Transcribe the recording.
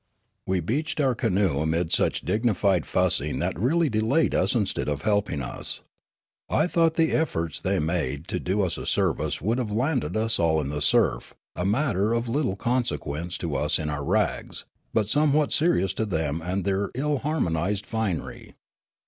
We beached our canoe amid much dignified fussing that really delaj^ed us instead of helping us. I thought the efforts they made to do us a service would have landed us all in the surf — a matter of little conse quence to us in our rags, but somewhat serious to them and their ill harmonised finery.